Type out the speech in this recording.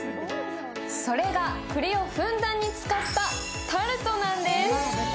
それが、くりをふんだんに使ったタルトなんです！